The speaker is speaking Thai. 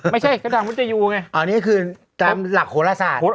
ไม่ใช่ก็ทางมุตยูไงอันนี้คือตามหลักโหลศาสตร์